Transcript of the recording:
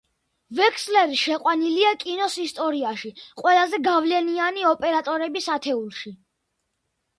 ვექსლერი შეყვანილია კინოს ისტორიაში ყველაზე გავლენიანი ოპერატორების ათეულში.